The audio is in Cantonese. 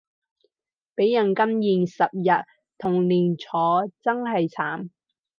畀人禁言十日同連坐真係慘